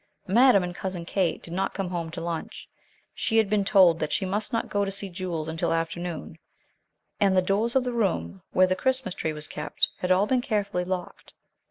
Madame and Cousin Kate did not come home to lunch. She had been told that she must not go to see Jules until afternoon, and the doors of the room where the Christmas tree was kept had all been carefully locked.